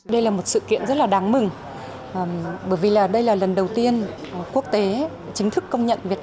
đây là một sự kiện rất là đáng mừng bởi vì đây là lần đầu tiên quốc tế chính thức công nhận việt